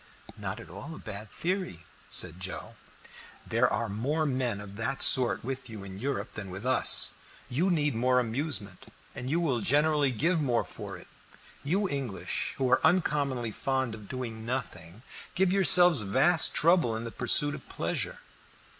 "Not at all a bad theory," said Joe. "There are more men of that sort with you in Europe than with us. You need more amusement, and you will generally give more for it. You English, who are uncommonly fond of doing nothing, give yourselves vast trouble in the pursuit of pleasure.